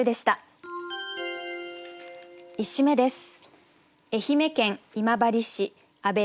１首目です。